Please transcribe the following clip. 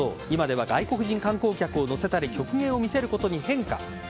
今では外国人観光客を乗せたり曲芸を見せることに変化。